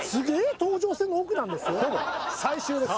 東上線の奥なんですよ？